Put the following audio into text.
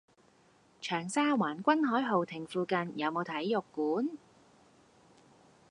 長沙灣君凱豪庭附近有無體育館？